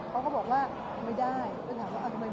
เขาก็บอกว่าไม่ได้ปัญหาว่าทำไมไม่ได้